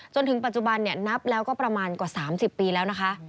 จนถึงปัจจุบันนับแล้วก็ประมาณกว่า๓๐ปีแล้วนะคะ